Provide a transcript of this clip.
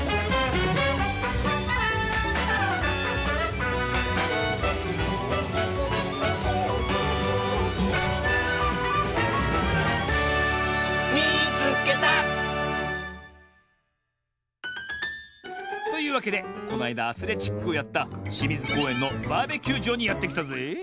バイバイ！というわけでこのあいだアスレチックをやったしみずこうえんのバーベキューじょうにやってきたぜえ。